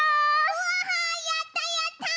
うわやったやった！